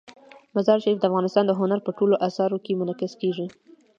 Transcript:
مزارشریف د افغانستان د هنر په ټولو اثارو کې منعکس کېږي.